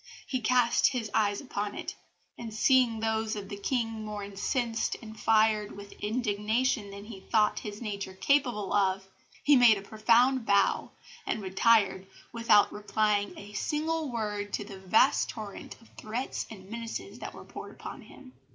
He cast his eyes upon it, and seeing those of the King more incensed and fired with indignation than he thought his nature capable of, he made a profound bow, and retired without replying a single word to the vast torrent of threats and menaces that were poured on him."